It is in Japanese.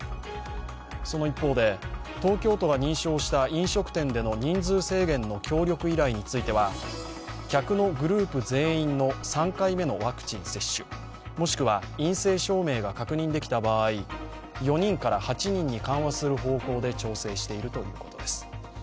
その一方で、東京都が認証した飲食店での人数制限の協力依頼については客のグループ全員の３回目のワクチン接種もしくは陰性証明が確認できた場合、４人から８人に緩和する方向で調整しているということです。